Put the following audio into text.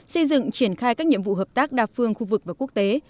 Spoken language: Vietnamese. xây dựng triển khai các nhiệm vụ hợp tác đa phương khu vực và quốc tế